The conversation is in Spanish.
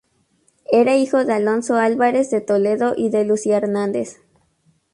Era hijo de Alonso Álvarez de Toledo y de Lucía Hernández.